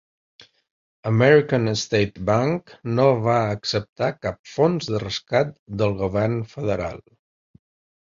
American State Bank no va acceptar cap fons de rescat del govern federal.